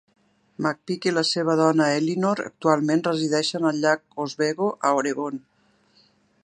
McPeak i la seva dona Elynor actualment resideixen al llac Oswego, a Oregon.